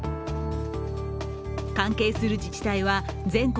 関係する自治体は全国